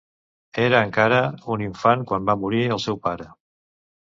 Era encara un infant quan va morir el seu pare.